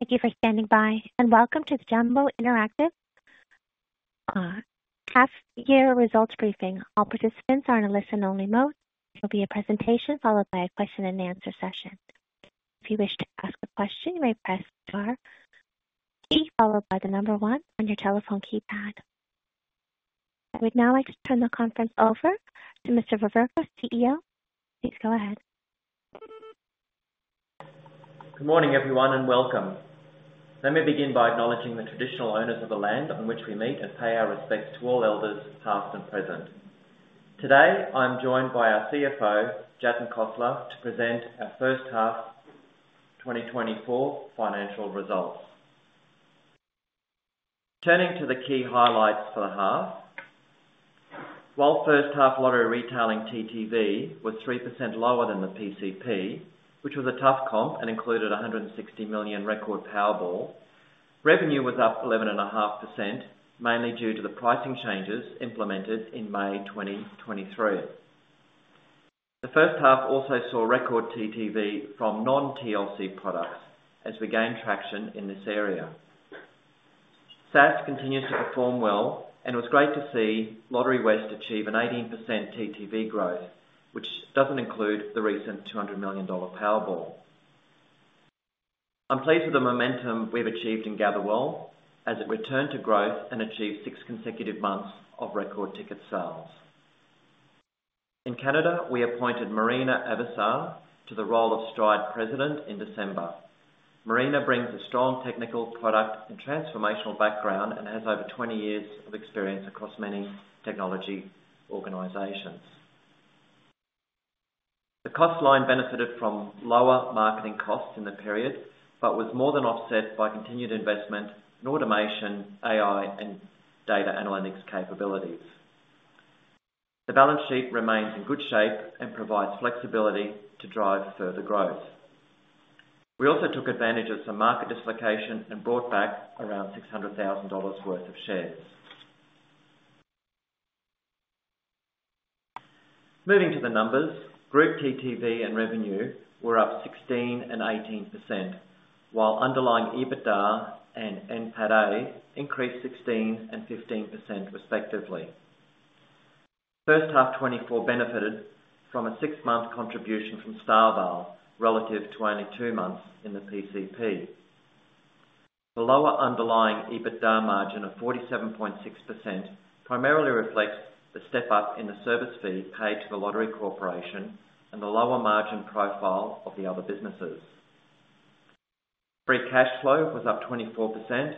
Thank you for standing by, and welcome to the Jumbo Interactive half-year results briefing. All participants are in a listen-only mode. There will be a presentation followed by a question-and-answer session. If you wish to ask a question, you may press the star key followed by the number one on your telephone keypad. I would now like to turn the conference over to Mr. Veverka, CEO. Please go ahead. Good morning, everyone, and welcome. Let me begin by acknowledging the traditional owners of the land on which we meet and pay our respects to all elders, past and present. Today I'm joined by our CFO, Jatin Khosla, to present our first half 2024 financial results. Turning to the key highlights for the half. While first-half lottery retailing TTV was 3% lower than the PCP, which was a tough comp and included $160 million record Powerball, revenue was up 11.5%, mainly due to the pricing changes implemented in May 2023. The first half also saw record TTV from non-TLC products as we gained traction in this area. SaaS continues to perform well and it was great to see Lotterywest achieve an 18% TTV growth, which doesn't include the recent $200 million Powerball. I'm pleased with the momentum we've achieved in Gatherwell as it returned to growth and achieved six consecutive months of record ticket sales. In Canada, we appointed Marina Avisar to the role of Stride President in December. Marina brings a strong technical, product, and transformational background and has over 20 years of experience across many technology organizations. The cost line benefited from lower marketing costs in the period but was more than offset by continued investment in automation, AI, and data analytics capabilities. The balance sheet remains in good shape and provides flexibility to drive further growth. We also took advantage of some market dislocation and bought back around $ 600,000 worth of shares. Moving to the numbers, group TTV and revenue were up 16% and 18%, while underlying EBITDA and NPATA increased 16% and 15%, respectively. First half 2024 benefited from a six-month contribution from Starvale relative to only two months in the PCP. The lower underlying EBITDA margin of 47.6% primarily reflects the step-up in the service fee paid to the Lottery Corporation and the lower margin profile of the other businesses. Free cash flow was up 24%,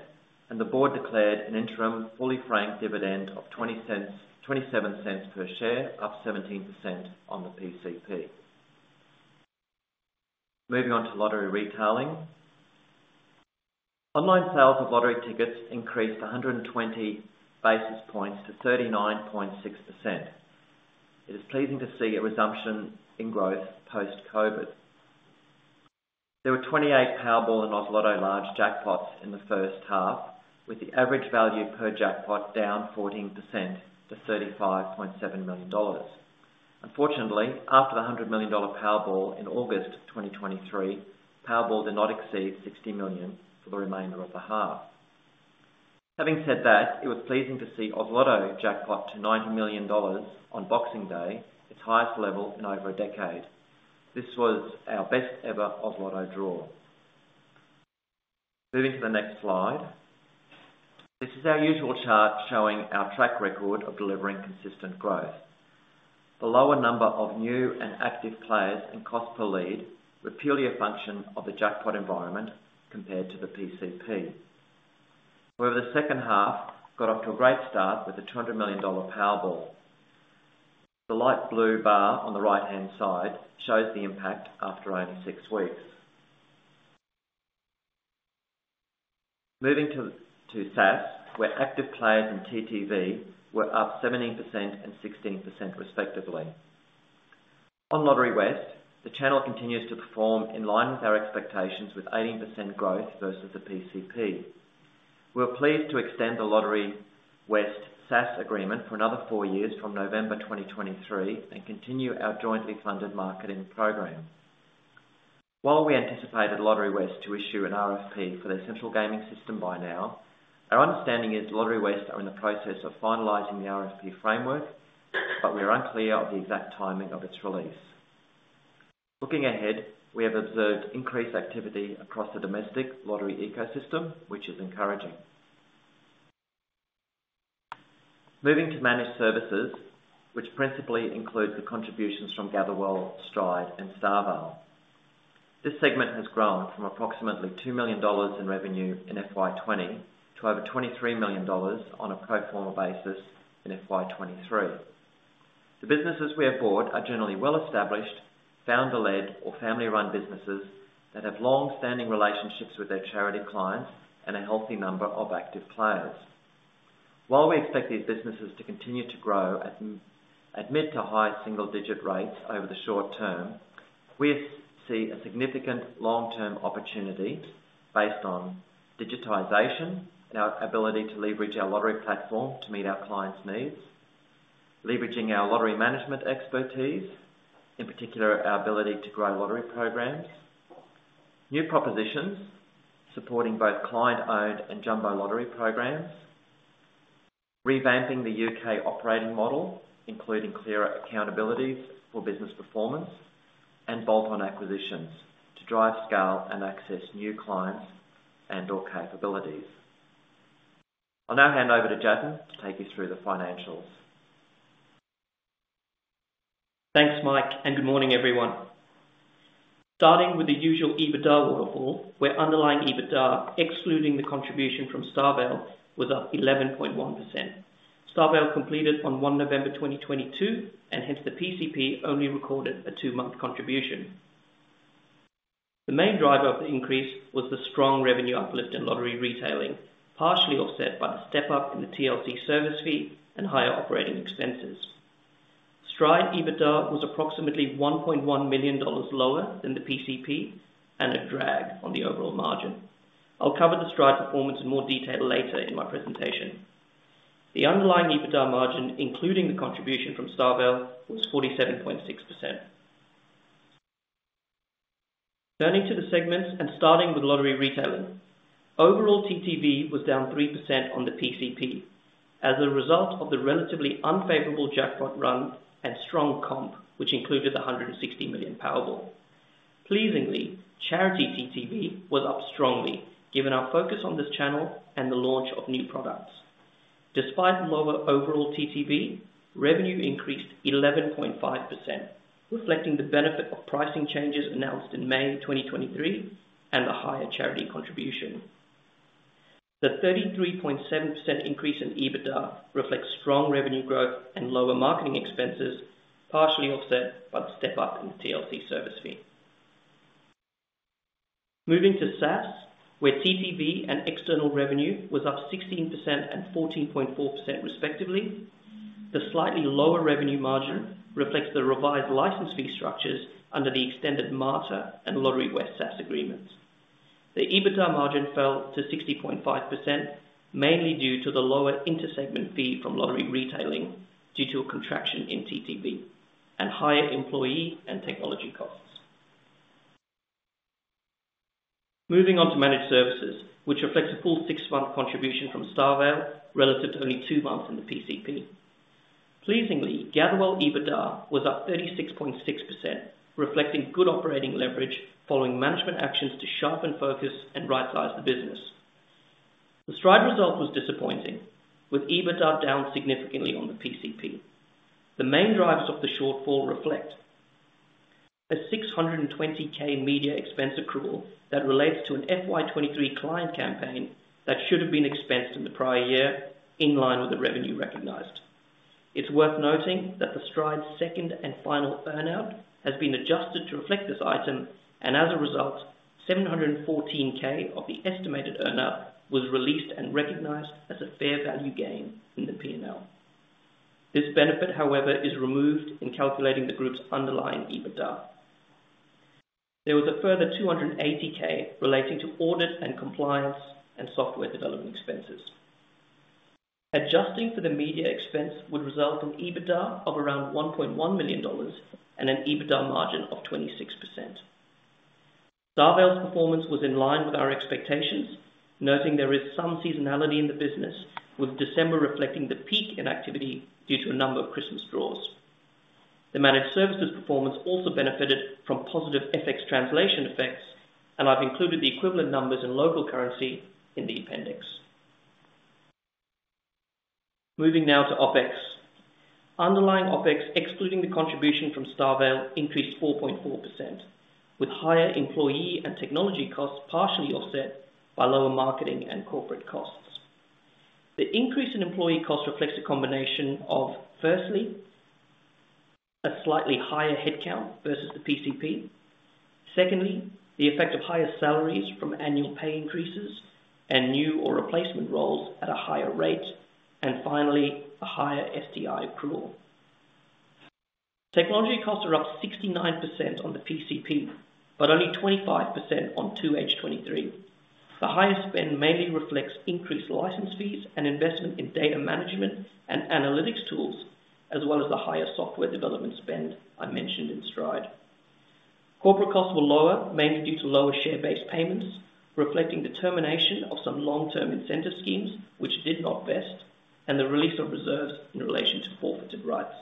and the board declared an interim fully-franked dividend of $0.27 per share, up 17% on the PCP. Moving on to lottery retailing. Online sales of lottery tickets increased 120 basis points to 39.6%. It is pleasing to see a resumption in growth post-COVID. There were 28 Powerball and Oz Lotto large jackpots in the first half, with the average value per jackpot down 14% to $35.7 million. Unfortunately, after the $100 million Powerball in August 2023, Powerball did not exceed $60 million for the remainder of the half. Having said that, it was pleasing to see Oz Lotto jackpot to $90 million on Boxing Day, its highest level in over a decade. This was our best-ever Oz Lotto draw. Moving to the next slide. This is our usual chart showing our track record of delivering consistent growth. The lower number of new and active players and cost per lead were purely a function of the jackpot environment compared to the PCP. However, the second half got off to a great start with a $200 million Powerball. The light blue bar on the right-hand side shows the impact after only six weeks. Moving to SaaS, where active players and TTV were up 17% and 16%, respectively. On Lotterywest, the channel continues to perform in line with our expectations with 18% growth versus the PCP. We're pleased to extend the Lotterywest SaaS agreement for another four years from November 2023 and continue our jointly funded marketing program. While we anticipated Lotterywest to issue an RFP for their central gaming system by now, our understanding is Lotterywest are in the process of finalizing the RFP framework, but we are unclear of the exact timing of its release. Looking ahead, we have observed increased activity across the domestic lottery ecosystem, which is encouraging. Moving to Managed Services, which principally includes the contributions from Gatherwell, Stride, and Starvale. This segment has grown from approximately $2 million in revenue in FY 2020 to over $23 million on a pro forma basis in FY 2023. The businesses we have bought are generally well-established, founder-led, or family-run businesses that have long-standing relationships with their charity clients and a healthy number of active players. While we expect these businesses to continue to grow at mid- to high single-digit rates over the short term, we see a significant long-term opportunity based on digitization, our ability to leverage our lottery platform to meet our clients' needs, leveraging our lottery management expertise, in particular our ability to grow lottery programs, new propositions supporting both client-owned and jumbo lottery programs, revamping the U.K. operating model including clearer accountabilities for business performance, and bolt-on acquisitions to drive scale and access new clients and/or capabilities. I'll now hand over to Jatin to take you through the financials. Thanks, Mike, and good morning, everyone. Starting with the usual EBITDA waterfall, where underlying EBITDA excluding the contribution from Starvale was up 11.1%. Starvale completed on 1 November 2022, and hence the PCP only recorded a two-month contribution. The main driver of the increase was the strong revenue uplift in lottery retailing, partially offset by the step-up in the TLC service fee and higher operating expenses. Stride EBITDA was approximately $1.1 million lower than the PCP and a drag on the overall margin. I'll cover the Stride performance in more detail later in my presentation. The underlying EBITDA margin, including the contribution from Starvale, was 47.6%. Turning to the segments and starting with lottery retailing. Overall TTV was down 3% on the PCP as a result of the relatively unfavorable jackpot run and strong comp, which included the $160 million Powerball. Pleasingly, charity TTV was up strongly given our focus on this channel and the launch of new products. Despite lower overall TTV, revenue increased 11.5%, reflecting the benefit of pricing changes announced in May 2023 and the higher charity contribution. The 33.7% increase in EBITDA reflects strong revenue growth and lower marketing expenses, partially offset by the step-up in the TLC service fee. Moving to SaaS, where TTV and external revenue was up 16% and 14.4%, respectively. The slightly lower revenue margin reflects the revised license fee structures under the extended Mater and Lotterywest SaaS agreements. The EBITDA margin fell to 60.5%, mainly due to the lower intersegment fee from lottery retailing due to a contraction in TTV and higher employee and technology costs. Moving on to managed services, which reflects a full six-month contribution from Starvale relative to only two months in the PCP. Pleasingly, Gatherwell EBITDA was up 36.6%, reflecting good operating leverage following management actions to sharpen focus and right-size the business. The Stride result was disappointing, with EBITDA down significantly on the PCP. The main drivers of the shortfall reflect a $620,000 media expense accrual that relates to an FY 2023 client campaign that should have been expensed in the prior year in line with the revenue recognized. It's worth noting that the Stride's second and final earnout has been adjusted to reflect this item, and as a result, $714,000 of the estimated earnout was released and recognized as a fair value gain in the P&L. This benefit, however, is removed in calculating the group's underlying EBITDA. There was a further $280,,000 relating to audit and compliance and software development expenses. Adjusting for the media expense would result in EBITDA of around $1.1 million and an EBITDA margin of 26%. Starvale's performance was in line with our expectations, noting there is some seasonality in the business, with December reflecting the peak in activity due to a number of Christmas draws. The managed services performance also benefited from positive FX translation effects, and I've included the equivalent numbers in local currency in the appendix. Moving now to OpEx. Underlying OpEx excluding the contribution from Starvale increased 4.4%, with higher employee and technology costs partially offset by lower marketing and corporate costs. The increase in employee costs reflects a combination of, firstly, a slightly higher headcount versus the PCP, secondly, the effect of higher salaries from annual pay increases and new or replacement roles at a higher rate, and finally, a higher STI accrual. Technology costs are up 69% on the PCP but only 25% on 2H2023. The higher spend mainly reflects increased license fees and investment in data management and analytics tools, as well as the higher software development spend I mentioned in Stride. Corporate costs were lower, mainly due to lower share-based payments, reflecting determination of some long-term incentive schemes, which did not vest, and the release of reserves in relation to forfeited rights.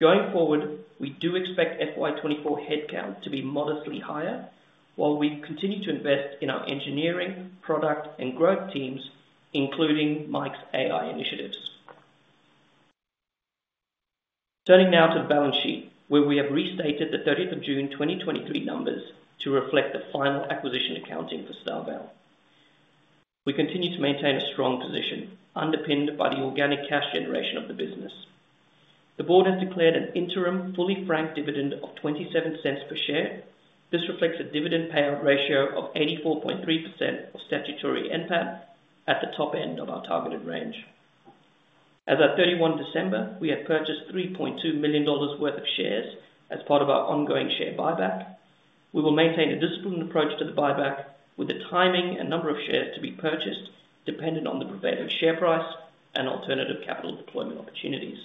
Going forward, we do expect FY 2024 headcount to be modestly higher while we continue to invest in our engineering, product, and growth teams, including Mike's AI initiatives. Turning now to the balance sheet, where we have restated the 30th of June 2023 numbers to reflect the final acquisition accounting for Starvale. We continue to maintain a strong position, underpinned by the organic cash generation of the business. The board has declared an interim fully-franked dividend of $0.27 per share. This reflects a dividend payout ratio of 84.3% of statutory NPATA at the top end of our targeted range. As of 31 December, we have purchased $3.2 million worth of shares as part of our ongoing share buyback. We will maintain a disciplined approach to the buyback, with the timing and number of shares to be purchased dependent on the prevailing share price and alternative capital deployment opportunities.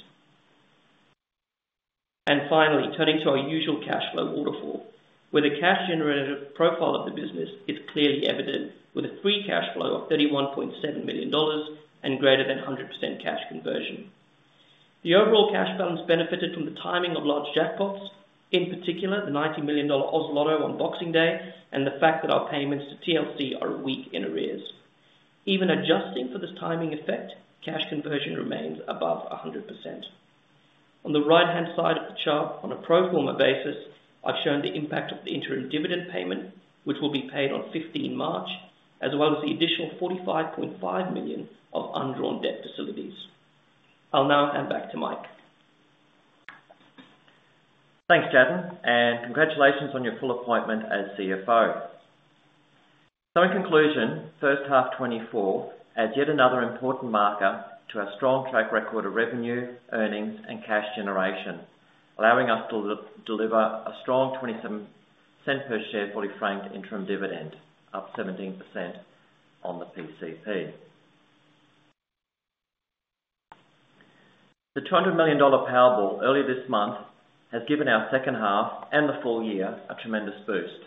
Finally, turning to our usual cash flow waterfall, where the cash-generative profile of the business is clearly evident with a free cash flow of $31.7 million and greater than 100% cash conversion. The overall cash balance benefited from the timing of large jackpots, in particular the $90 million Oz Lotto on Boxing Day and the fact that our payments to TLC are paid in arrears. Even adjusting for this timing effect, cash conversion remains above 100%. On the right-hand side of the chart, on a pro forma basis, I've shown the impact of the interim dividend payment, which will be paid on 15 March, as well as the additional $45.5 million of undrawn debt facilities. I'll now hand back to Mike. Thanks, Jatin, and congratulations on your full appointment as CFO. In conclusion, first half 2024 adds yet another important marker to our strong track record of revenue, earnings, and cash generation, allowing us to deliver a strong $0.27 per share fully-franked interim dividend, up 17% on the PCP. The $200 million Powerball earlier this month has given our second half and the full year a tremendous boost,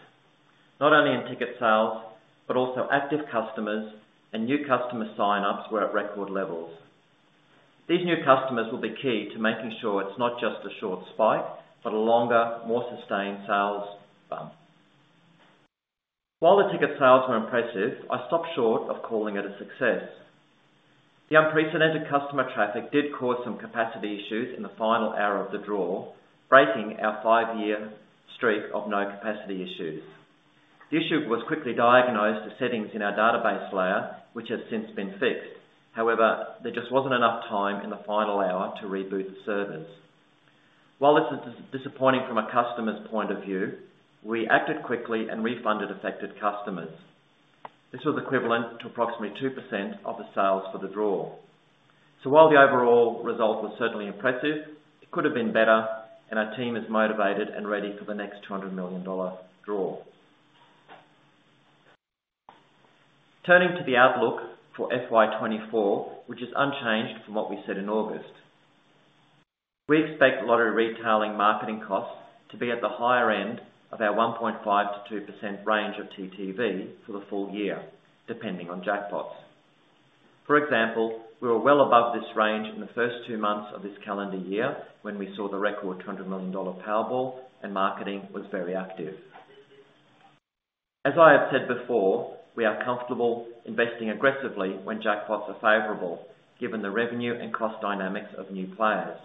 not only in ticket sales but also active customers and new customer sign-ups were at record levels. These new customers will be key to making sure it's not just a short spike but a longer, more sustained sales bump. While the ticket sales were impressive, I stopped short of calling it a success. The unprecedented customer traffic did cause some capacity issues in the final hour of the draw, breaking our five-year streak of no capacity issues. The issue was quickly diagnosed to settings in our database layer, which has since been fixed. However, there just wasn't enough time in the final hour to reboot the servers. While this is disappointing from a customer's point of view, we acted quickly and refunded affected customers. This was equivalent to approximately 2% of the sales for the draw. So while the overall result was certainly impressive, it could have been better, and our team is motivated and ready for the next $200 million draw. Turning to the outlook for FY 2024, which is unchanged from what we said in August. We expect lottery retailing marketing costs to be at the higher end of our 1.5%-2% range of TTV for the full year, depending on jackpots. For example, we were well above this range in the first two months of this calendar year when we saw the record $200 million Powerball and marketing was very active. As I have said before, we are comfortable investing aggressively when jackpots are favorable, given the revenue and cost dynamics of new players.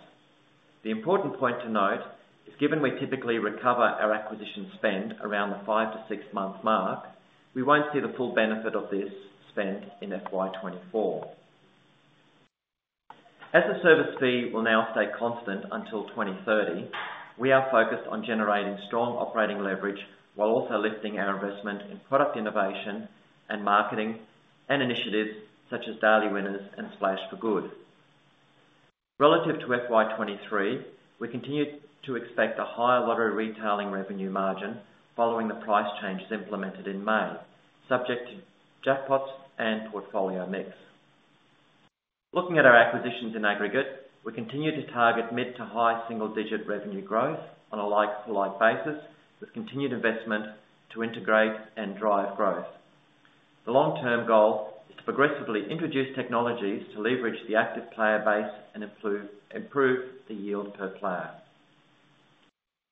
The important point to note is, given we typically recover our acquisition spend around the five to six month mark, we won't see the full benefit of this spend in FY 2024. As the service fee will now stay constant until 2030, we are focused on generating strong operating leverage while also lifting our investment in product innovation and marketing and initiatives such as Daily Winners and Splash for Good. Relative to FY 2023, we continue to expect a higher lottery retailing revenue margin following the price changes implemented in May, subject to jackpots and portfolio mix. Looking at our acquisitions in aggregate, we continue to target mid to high single-digit revenue growth on a like-for-like basis, with continued investment to integrate and drive growth. The long-term goal is to progressively introduce technologies to leverage the active player base and improve the yield per player.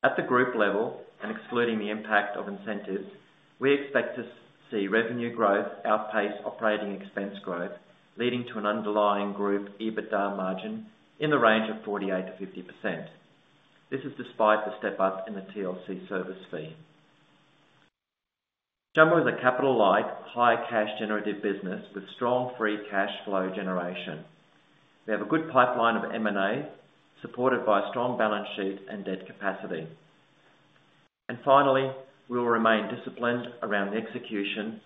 At the group level, and excluding the impact of incentives, we expect to see revenue growth outpace operating expense growth, leading to an underlying group EBITDA margin in the range of 48%-50%. This is despite the step-up in the TLC service fee. Jumbo is a capital-light, high-cash-generative business with strong free cash flow generation. We have a good pipeline of M&A supported by a strong balance sheet and debt capacity. Finally, we will remain disciplined around the execution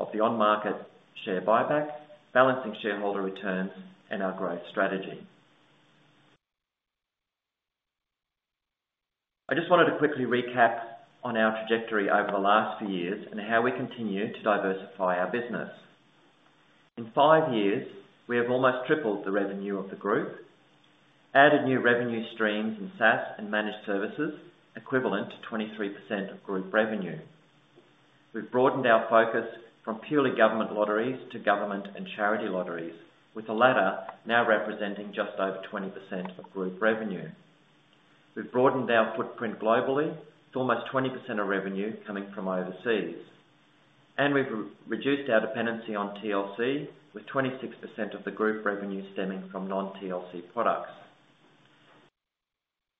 of the on-market share buyback, balancing shareholder returns, and our growth strategy. I just wanted to quickly recap on our trajectory over the last few years and how we continue to diversify our business. In five years, we have almost tripled the revenue of the group, added new revenue streams in SaaS and managed services, equivalent to 23% of group revenue. We've broadened our focus from purely government lotteries to government and charity lotteries, with the latter now representing just over 20% of group revenue. We've broadened our footprint globally, with almost 20% of revenue coming from overseas. We've reduced our dependency on TLC, with 26% of the group revenue stemming from non-TLC products.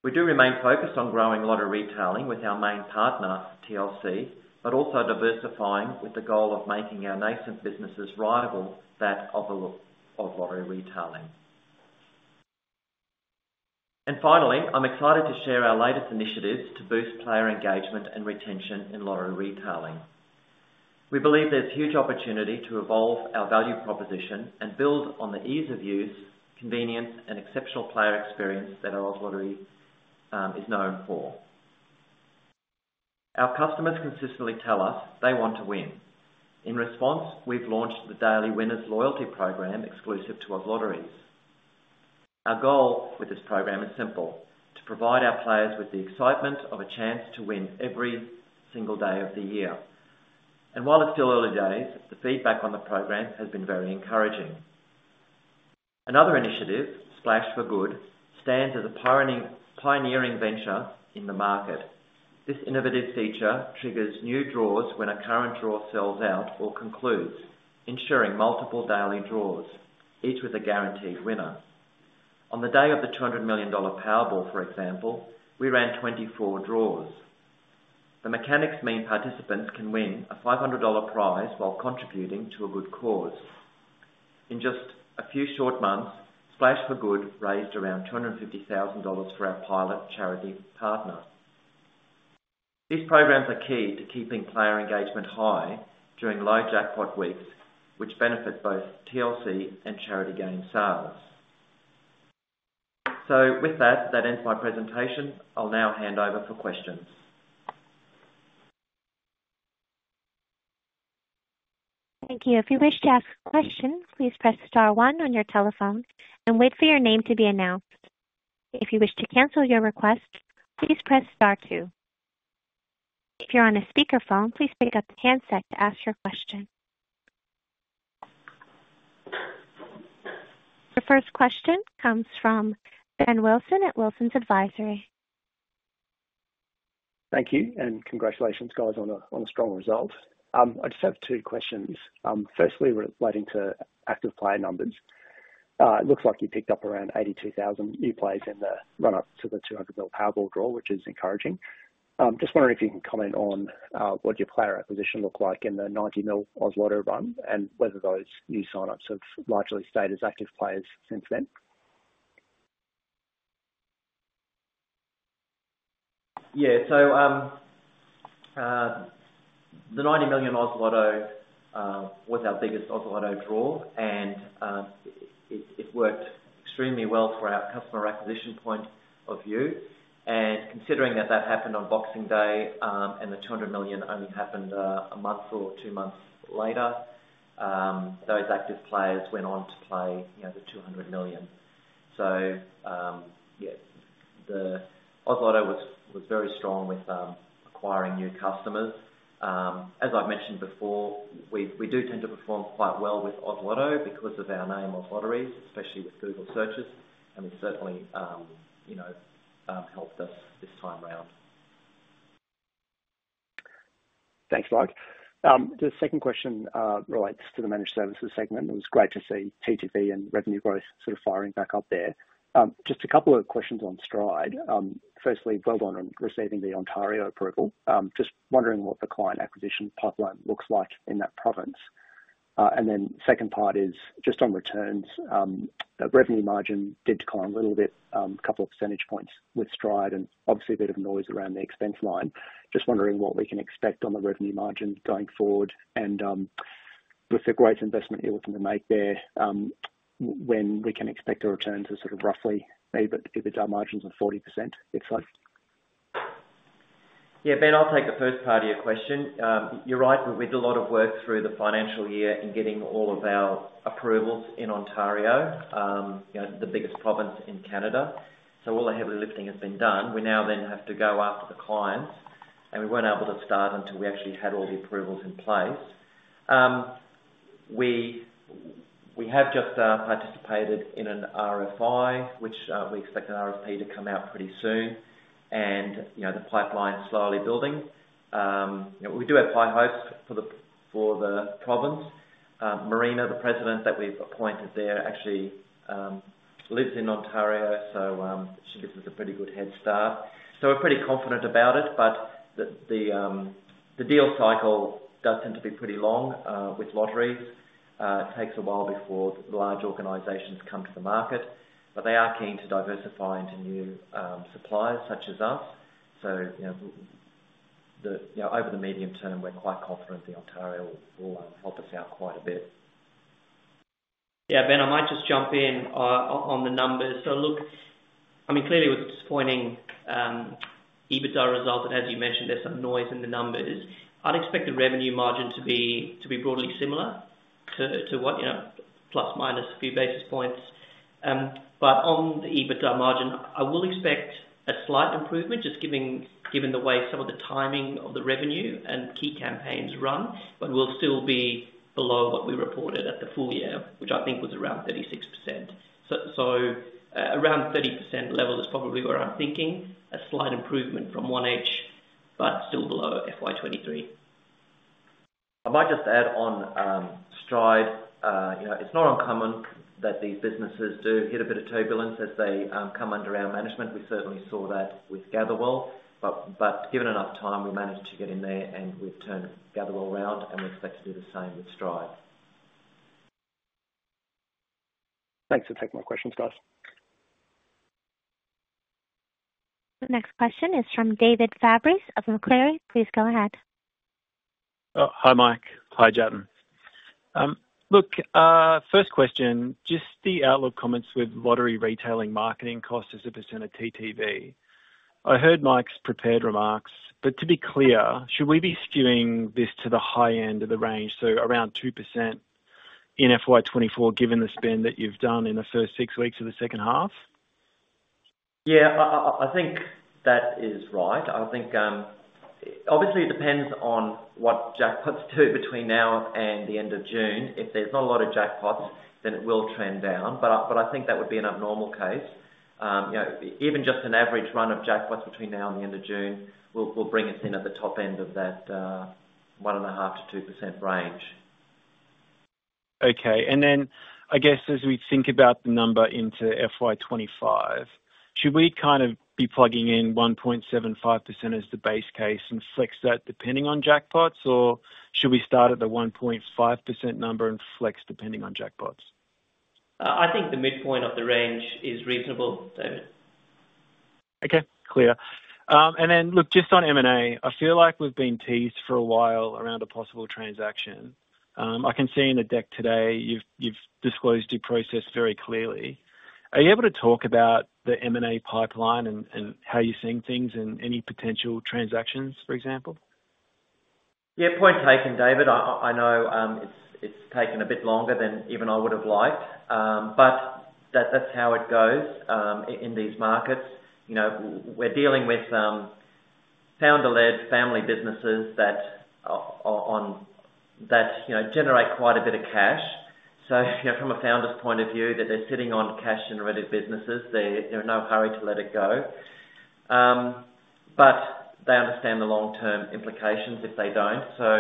We do remain focused on growing lottery retailing with our main partner, TLC, but also diversifying with the goal of making our nascent businesses rival that of lottery retailing. Finally, I'm excited to share our latest initiatives to boost player engagement and retention in lottery retailing. We believe there's huge opportunity to evolve our value proposition and build on the ease of use, convenience, and exceptional player experience that Oz Lotteries is known for. Our customers consistently tell us they want to win. In response, we've launched the Daily Winners Loyalty Program exclusive to Oz Lotteries. Our goal with this program is simple: to provide our players with the excitement of a chance to win every single day of the year. And while it's still early days, the feedback on the program has been very encouraging. Another initiative, Splash for Good, stands as a pioneering venture in the market. This innovative feature triggers new draws when a current draw sells out or concludes, ensuring multiple daily draws, each with a guaranteed winner. On the day of the $200 million Powerball, for example, we ran 24 draws. The mechanics mean participants can win a $500 prize while contributing to a good cause. In just a few short months, Splash for Good raised around $250,000 for our pilot charity partner. These programs are key to keeping player engagement high during low jackpot weeks, which benefits both TLC and charity game sales. With that, that ends my presentation. I'll now hand over for questions. Thank you. If you wish to ask a question, please press star 1 on your telephone and wait for your name to be announced. If you wish to cancel your request, please press star 2. If you're on a speakerphone, please pick up the handset to ask your question. Your first question comes from Ben Wilson at Wilsons Advisory. Thank you, and congratulations, guys, on a strong result. I just have two questions. Firstly, relating to active player numbers, it looks like you picked up around 82,000 new players in the run-up to the $200 million Powerball draw, which is encouraging. Just wondering if you can comment on what your player acquisition looked like in the $90 million Oz Lotto run and whether those new sign-ups have largely stayed as active players since then. Yeah. So the $90 million Oz Lotto was our biggest Oz Lotto draw, and it worked extremely well from our customer acquisition point of view. And considering that that happened on Boxing Day and the $200 million only happened a month or two months later, those active players went on to play the $200 million. So yeah, the Oz Lotto was very strong with acquiring new customers. As I've mentioned before, we do tend to perform quite well with Oz Lotto because of our name Oz Lotteries, especially with Google searches, and it's certainly helped us this time round. Thanks, Mike. The second question relates to the managed services segment. It was great to see TTV and revenue growth sort of firing back up there. Just a couple of questions on Stride. Firstly, well done on receiving the Ontario approval. Just wondering what the client acquisition pipeline looks like in that province. And then second part is just on returns. The revenue margin did decline a little bit, a couple of percentage points with Stride, and obviously a bit of noise around the expense line. Just wondering what we can expect on the revenue margin going forward. And with the great investment you're looking to make there, when we can expect our returns to sort of roughly EBITDA margins of 40%, if so. Yeah, Ben, I'll take the first part of your question. You're right. We did a lot of work through the financial year in getting all of our approvals in Ontario, the biggest province in Canada. So all the heavy lifting has been done. We now then have to go after the clients, and we weren't able to start until we actually had all the approvals in place. We have just participated in an RFI, which we expect an RFP to come out pretty soon, and the pipeline's slowly building. We do have high hopes for the province. Marina, the president that we've appointed there, actually lives in Ontario, so this is a pretty good head start. So we're pretty confident about it, but the deal cycle does tend to be pretty long with lotteries. It takes a while before the large organizations come to the market, but they are keen to diversify into new suppliers such as us. So over the medium term, we're quite confident the Ontario will help us out quite a bit. Yeah, Ben, I might just jump in on the numbers. So look, I mean, clearly, it was disappointing EBITDA results. And as you mentioned, there's some noise in the numbers. I'd expect the revenue margin to be broadly similar to what, plus-minus a few basis points. But on the EBITDA margin, I will expect a slight improvement, just given the way some of the timing of the revenue and key campaigns run, but will still be below what we reported at the full year, which I think was around 36%. So around 30% level is probably where I'm thinking, a slight improvement from 1H but still below FY 2023. I might just add on Stride. It's not uncommon that these businesses do hit a bit of turbulence as they come under our management. We certainly saw that with Gatherwell. But given enough time, we managed to get in there, and we've turned Gatherwell round, and we expect to do the same with Stride. Thanks for taking my questions, guys. The next question is from David Fabris of Macquarie. Please go ahead. Hi, Mike. Hi, Jatin. Look, first question, just the outlook comments with lottery retailing marketing cost as a percentage of TTV. I heard Mike's prepared remarks, but to be clear, should we be skewing this to the high end of the range, so around 2% in FY 2024 given the spend that you've done in the first six weeks of the second half? Yeah, I think that is right. Obviously, it depends on what jackpots do between now and the end of June. If there's not a lot of jackpots, then it will trend down. But I think that would be an abnormal case. Even just an average run of jackpots between now and the end of June will bring us in at the top end of that 1.5%-2% range. Okay. And then I guess as we think about the number into FY 2025, should we kind of be plugging in 1.75% as the base case and flex that depending on jackpots, or should we start at the 1.5% number and flex depending on jackpots? I think the midpoint of the range is reasonable, David. Okay, clear. And then look, just on M&A, I feel like we've been teased for a while around a possible transaction. I can see in the deck today, you've disclosed due process very clearly. Are you able to talk about the M&A pipeline and how you're seeing things and any potential transactions, for example? Yeah, point taken, David. I know it's taken a bit longer than even I would have liked, but that's how it goes in these markets. We're dealing with founder-led family businesses that generate quite a bit of cash. So from a founder's point of view, that they're sitting on cash-generated businesses, there's no hurry to let it go, but they understand the long-term implications if they don't. So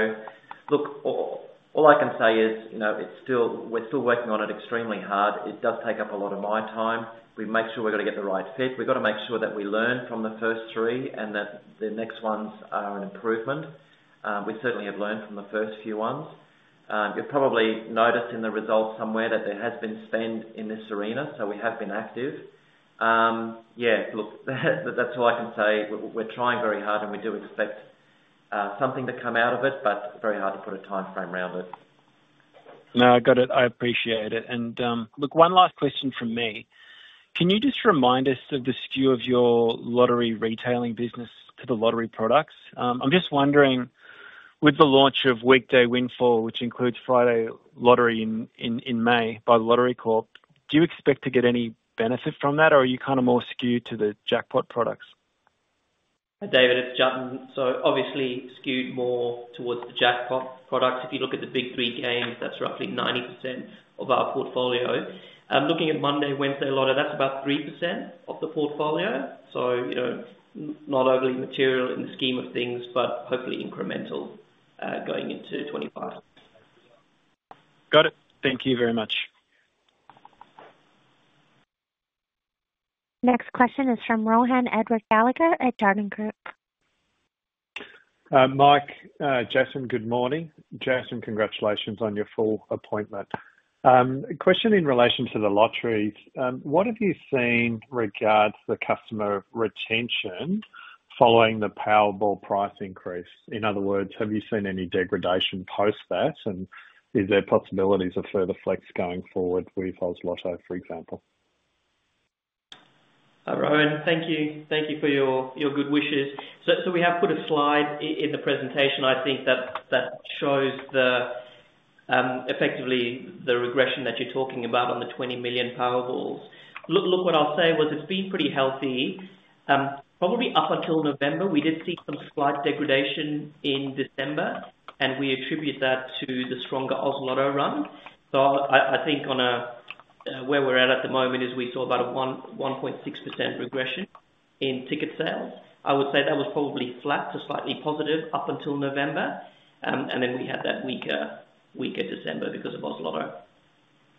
look, all I can say is we're still working on it extremely hard. It does take up a lot of my time. We make sure we've got to get the right fit. We've got to make sure that we learn from the first three and that the next ones are an improvement. We certainly have learned from the first few ones. You've probably noticed in the results somewhere that there has been spend in this arena, so we have been active. Yeah, look, that's all I can say. We're trying very hard, and we do expect something to come out of it, but very hard to put a timeframe around it. No, I got it. I appreciate it. And look, one last question from me. Can you just remind us of the skew of your lottery retailing business to the lottery products? I'm just wondering, with the launch of Weekday Windfall, which includes Friday Lottery in May by the Lottery Corporation, do you expect to get any benefit from that, or are you kind of more skewed to the jackpot products? Hi, David. It's Jatin. So obviously skewed more towards the jackpot products. If you look at the big three games, that's roughly 90% of our portfolio. Looking at Monday, Wednesday Lotto, that's about 3% of the portfolio. So not overly material in the scheme of things, but hopefully incremental going into 2025. Got it. Thank you very much. Next question is from Rohan Gallagher at Jarden. Mike, Jatin, good morning. Jatin, congratulations on your full appointment. Question in relation to the lotteries. What have you seen regards the customer retention following the Powerball price increase? In other words, have you seen any degradation post that, and is there possibilities of further flex going forward with Oz Lotto, for example? Rohan, thank you. Thank you for your good wishes. So we have put a slide in the presentation, I think, that shows effectively the regression that you're talking about on the 20 million Powerballs. Look, what I'll say was it's been pretty healthy, probably up until November. We did see some slight degradation in December, and we attribute that to the stronger Oz Lotto run. So I think where we're at at the moment is we saw about a 1.6% regression in ticket sales. I would say that was probably flat to slightly positive up until November, and then we had that weaker December because of Oz Lotto.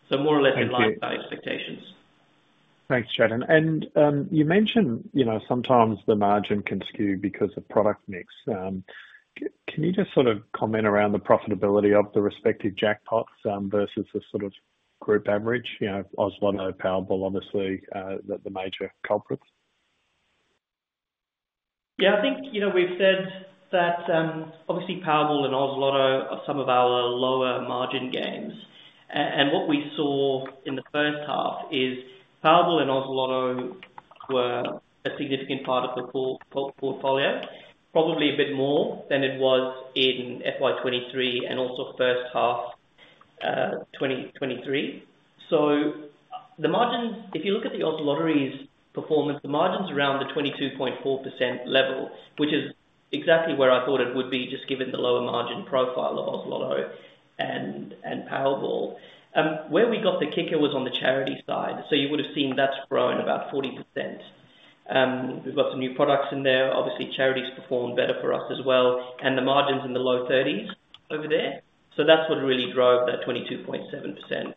So more or less in line with our expectations. Thanks, Jatin. You mentioned sometimes the margin can skew because of product mix. Can you just sort of comment around the profitability of the respective jackpots versus the sort of group average, Oz Lotto, Powerball, obviously, the major culprits? Yeah, I think we've said that obviously, Powerball and Oz Lotto are some of our lower-margin games. And what we saw in the first half is Powerball and Oz Lotto were a significant part of the portfolio, probably a bit more than it was in FY 2023 and also first half 2023. So if you look at the Oz Lotteries performance, the margin's around the 22.4% level, which is exactly where I thought it would be just given the lower-margin profile of Oz Lotto and Powerball. Where we got the kicker was on the charity side. So you would have seen that's grown about 40%. We've got some new products in there. Obviously, charities performed better for us as well. And the margin's in the low 30s over there. So that's what really drove that 22.7%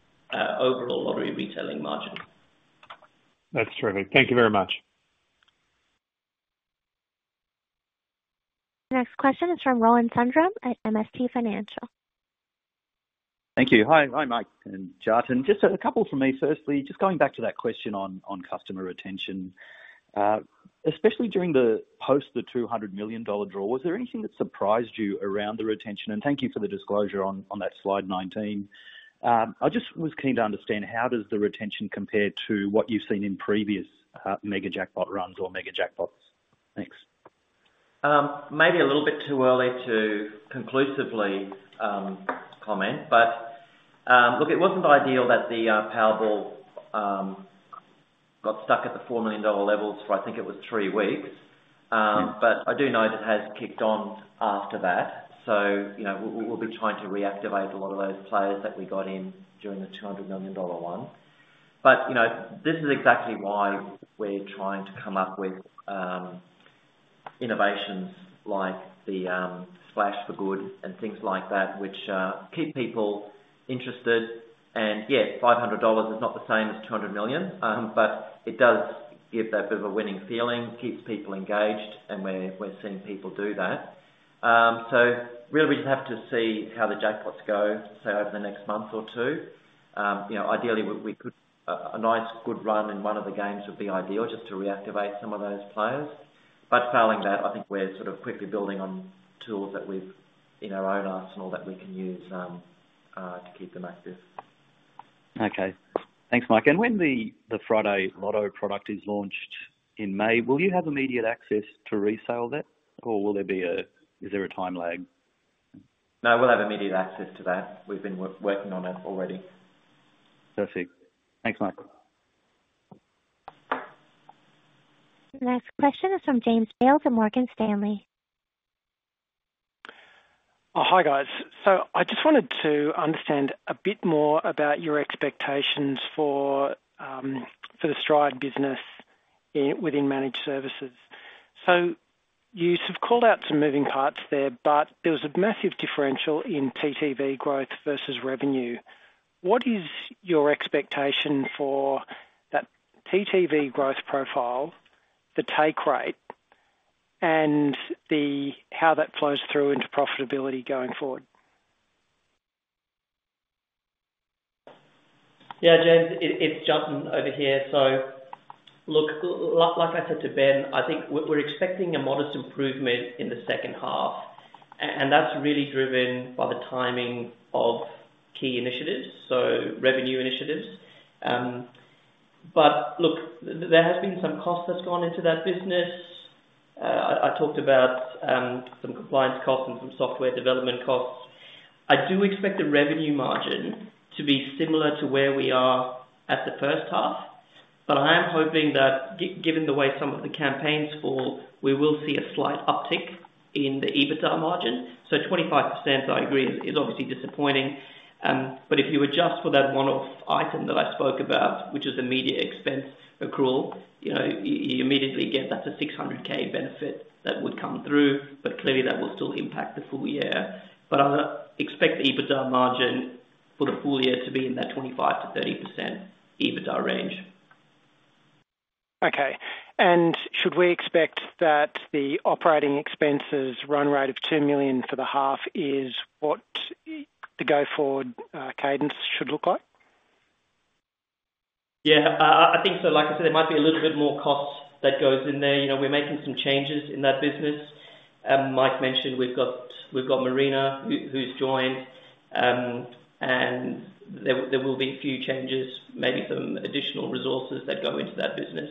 overall lottery retailing margin. That's terrific. Thank you very much. Next question is from Rohan Sundram at MST Financial. Thank you. Hi, Mike. And Jatin, just a couple from me. Firstly, just going back to that question on customer retention, especially during the post the $200 million draw, was there anything that surprised you around the retention? And thank you for the disclosure on that slide 19. I just was keen to understand, how does the retention compare to what you've seen in previous mega-jackpot runs or mega-jackpots? Thanks. Maybe a little bit too early to conclusively comment, but look, it wasn't ideal that the Powerball got stuck at the $4 million levels for, I think, it was three weeks. But I do know it has kicked on after that. So we'll be trying to reactivate a lot of those players that we got in during the $200 million one. But this is exactly why we're trying to come up with innovations like the Splash for Good and things like that, which keep people interested. And yeah, $500 is not the same as 200 million, but it does give that bit of a winning feeling, keeps people engaged, and we're seeing people do that. So really, we just have to see how the jackpots go, say, over the next month or two. Ideally, a nice good run in one of the games would be ideal just to reactivate some of those players. But failing that, I think we're sort of quickly building on tools that we've in our own arsenal that we can use to keep them active. Okay. Thanks, Mike. When the Friday Lotto product is launched in May, will you have immediate access to resale that, or is there a time lag? No, we'll have immediate access to that. We've been working on it already. Perfect. Thanks, Mike. Next question is from James Bales at Morgan Stanley. Hi, guys. So I just wanted to understand a bit more about your expectations for the Stride business within managed services. So you have called out some moving parts there, but there was a massive differential in TTV growth versus revenue. What is your expectation for that TTV growth profile, the take rate, and how that flows through into profitability going forward? Yeah, James, it's Jatin over here. So look, like I said to Ben, I think we're expecting a modest improvement in the second half, and that's really driven by the timing of key initiatives, so revenue initiatives. But look, there has been some cost that's gone into that business. I talked about some compliance costs and some software development costs. I do expect the revenue margin to be similar to where we are at the first half, but I am hoping that, given the way some of the campaigns fall, we will see a slight uptick in the EBITDA margin. So 25%, I agree, is obviously disappointing. But if you adjust for that one-off item that I spoke about, which is immediate expense accrual, you immediately get that's a $600,000 benefit that would come through, but clearly, that will still impact the full year. I expect the EBITDA margin for the full year to be in that 25%-30% EBITDA range. Okay. And should we expect that the operating expenses run rate of $2 million for the half is what the go-forward cadence should look like? Yeah, I think so. Like I said, there might be a little bit more cost that goes in there. We're making some changes in that business. Mike mentioned we've got Marina who's joined, and there will be a few changes, maybe some additional resources that go into that business,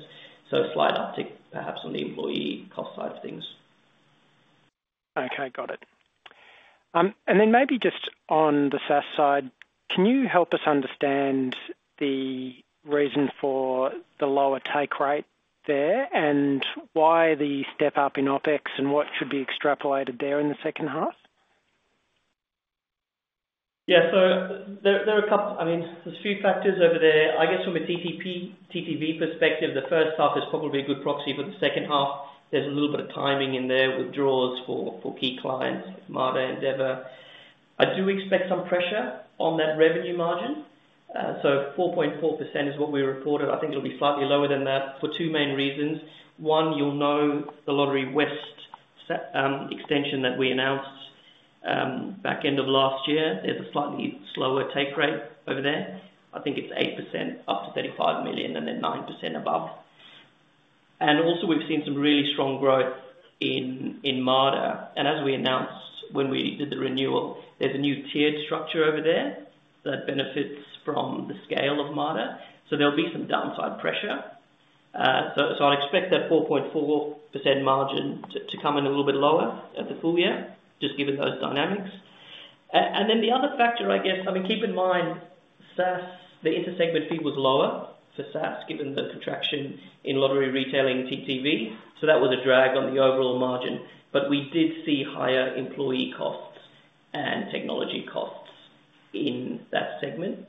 so a slight uptick perhaps on the employee cost side of things. Okay, got it. And then maybe just on the SaaS side, can you help us understand the reason for the lower take rate there and why the step up in OpEx and what should be extrapolated there in the second half? Yeah, so there are a couple. I mean, there's a few factors over there. I guess from a TTV perspective, the first half is probably a good proxy for the second half. There's a little bit of timing in there, withdrawals for key clients like Mater and Endeavour. I do expect some pressure on that revenue margin. So 4.4% is what we reported. I think it'll be slightly lower than that for two main reasons. One, you'll know the Lotterywest extension that we announced back end of last year. There's a slightly slower take rate over there. I think it's 8% up to $35 million and then 9% above. And also, we've seen some really strong growth in Mater. And as we announced when we did the renewal, there's a new tiered structure over there that benefits from the scale of Mater. So there'll be some downside pressure. So I'd expect that 4.4% margin to come in a little bit lower at the full year, just given those dynamics. And then the other factor, I guess I mean, keep in mind, the intersegment fee was lower for SaaS given the contraction in lottery retailing TTV. So that was a drag on the overall margin. But we did see higher employee costs and technology costs in that segment.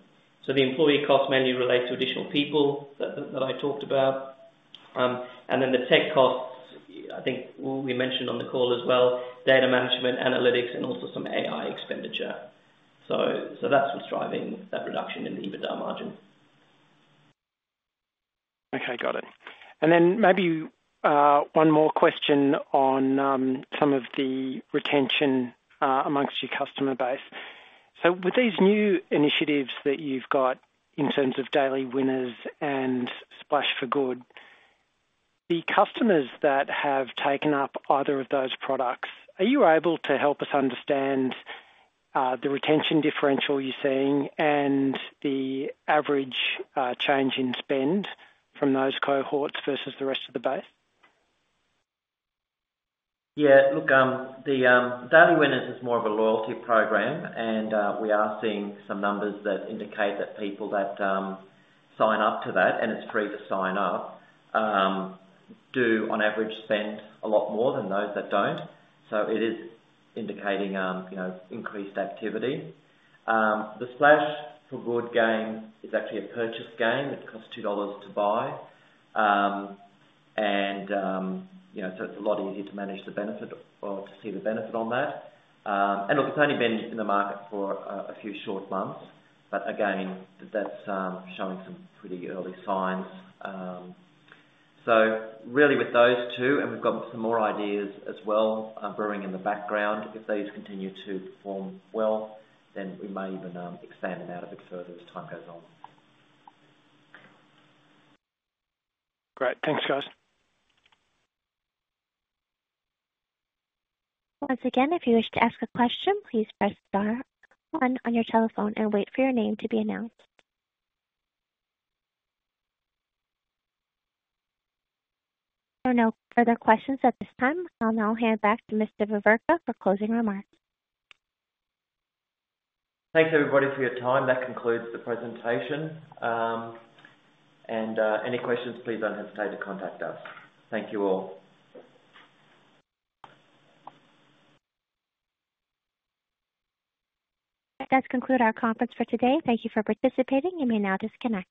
So the employee costs mainly relate to additional people that I talked about. And then the tech costs, I think we mentioned on the call as well, data management, analytics, and also some AI expenditure. So that's what's driving that reduction in the EBITDA margin. Okay, got it. And then maybe one more question on some of the retention among your customer base. So with these new initiatives that you've got in terms of Daily Winners and Splash for Good, the customers that have taken up either of those products, are you able to help us understand the retention differential you're seeing and the average change in spend from those cohorts versus the rest of the base? Yeah, look, the Daily Winners is more of a loyalty program, and we are seeing some numbers that indicate that people that sign up to that, and it's free to sign up, do, on average, spend a lot more than those that don't. So it is indicating increased activity. The Splash for Good game is actually a purchased game. It costs $2 to buy. And so it's a lot easier to manage the benefit or to see the benefit on that. And look, it's only been in the market for a few short months, but again, that's showing some pretty early signs. So really, with those two, and we've got some more ideas as well brewing in the background, if these continue to perform well, then we may even expand them out a bit further as time goes on. Great. Thanks, guys. Once again, if you wish to ask a question, please press star one on your telephone and wait for your name to be announced. There are no further questions at this time. I'll now hand back to Mr. Veverka for closing remarks. Thanks, everybody, for your time. That concludes the presentation. Any questions, please don't hesitate to contact us. Thank you all. All right. That concludes our conference for today. Thank you for participating. You may now disconnect.